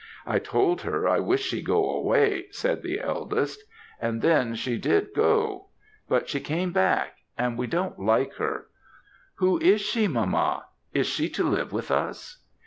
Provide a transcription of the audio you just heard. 'I told her I wished she'd go away,' said the eldest, 'and then she did go; but she came back; and we don't like her. Who is she, mamma? Is she to live with us?'